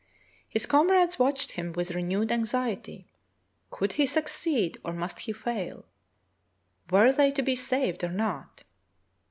His comrades watched him with renewed anxiety. Could he succeed or must he fail? Were they to be saved or not.?